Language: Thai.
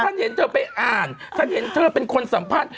ฉันเห็นเธอไปอ่านท่านเห็นเธอเป็นคนสัมภาษณ์